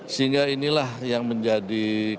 sehingga inilah yang menjadi